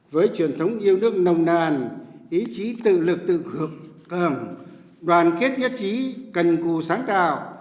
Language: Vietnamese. với truyền thống yêu nước nồng nàn ý chí tự lực tự hợp đoàn kết nhất trí cần cù sáng tạo